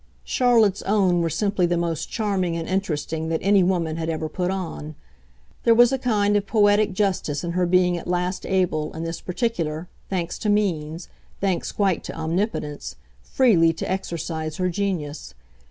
Charlotte's own were simply the most charming and interesting that any woman had ever put on; there was a kind of poetic justice in her being at last able, in this particular, thanks to means, thanks quite to omnipotence, freely to exercise her genius.